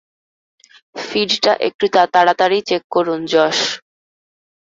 ফিডটা একটু তাড়াতাড়ি চেক করুন, জশ!